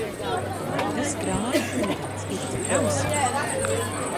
Vai tas krāna ūdens ir dzerams?